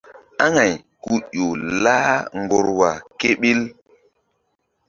Aŋay ku ƴo lah ŋgorwa kéɓil.